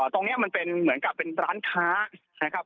ตรงนี้มันเป็นเหมือนกับเป็นร้านค้านะครับ